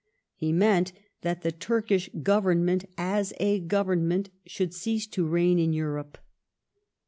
He meant that the Turkish Government as a gov ernment should cease to reign in Europe.